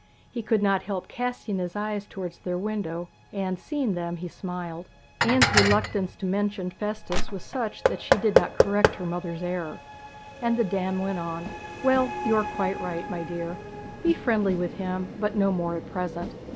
He could not help casting his eyes towards their window, and, seeing them, he smiled. Anne's reluctance to mention Festus was such that she did not correct her mother's error, and the dame went on: 'Well, you are quite right, my dear. Be friendly with him, but no more at present.